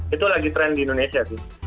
itu lagi trend di indonesia tuh